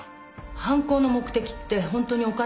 犯行の目的って本当にお金？